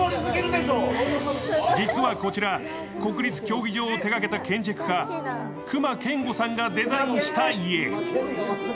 実はこちら国立競技場を手がけた建築家・隈研吾さんが手がけた家。